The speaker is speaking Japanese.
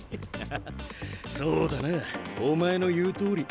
ああそうだなお前の言うとおり。